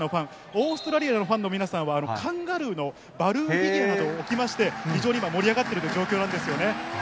オーストラリアのファンの皆さんは、カンガルーのバルーンフィギュアなどを置きまして、非常に今、盛り上がっている状況なんですよね。